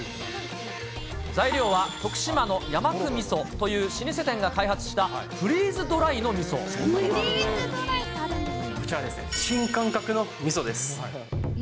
材料は徳島のヤマク味噌という老舗店が開発した、フリーズドライこちら、新感覚のみそです。